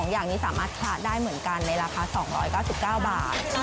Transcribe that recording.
อย่างนี้สามารถคละได้เหมือนกันในราคา๒๙๙บาท